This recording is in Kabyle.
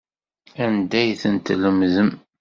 Anda ay ten-tlemdem?